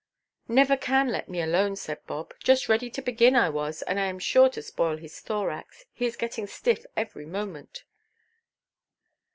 "Never can let me alone," said Bob; "just ready to begin I was; and I am sure to spoil his thorax. He is getting stiff every moment."